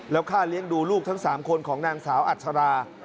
แล้วค่าเลี้ยงดูลูกทั้ง๓คนของนางสาวอัชรา